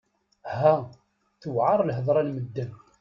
Ha! Tewɛeṛ lhedṛa n medden!